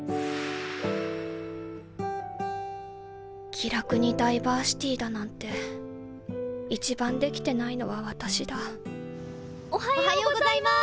「気楽にダイバーシティー」だなんて一番できてないのは私だおはようございます！